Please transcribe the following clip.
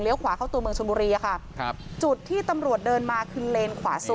ขวาเข้าตัวเมืองชนบุรีอะค่ะครับจุดที่ตำรวจเดินมาคือเลนขวาสุด